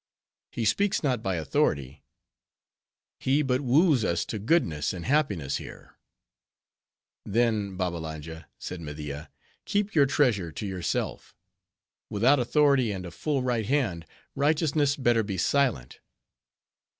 "He speaks not by authority. He but woos us to goodness and happiness here." "Then, Babbalanja," said Media, "keep your treasure to yourself. Without authority, and a full right hand, Righteousness better be silent.